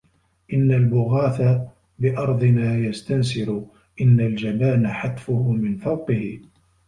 إن البغاث بأرضنا يستنسر إن الجبان حتْفُه من فوقه